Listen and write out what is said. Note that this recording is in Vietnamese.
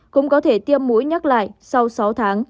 cũng có thể tiêm mũi nhắc lại sau sáu tháng